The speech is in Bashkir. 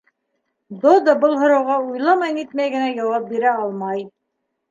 Додо был һорауға уйламай-нитмәй генә яуап бирә алмай